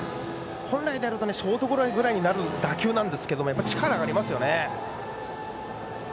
本来であるとショートゴロになる打球なんですけどやっぱり力がありますね。